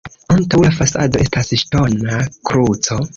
Antaŭ la fasado estas ŝtona kruco.